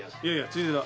ついでだ。